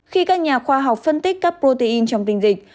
khi các nhà khoa học phân tích các protein trong tình dịch